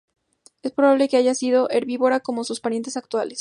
Es probable que haya sido herbívora como sus parientes actuales.